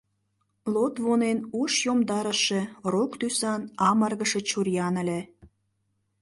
Лотвонен уш йомдарыше, рок тӱсан, амыргыше чуриян ыле.